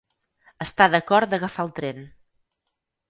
Està d'acord d'agafar el tren.